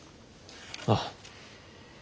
ああ。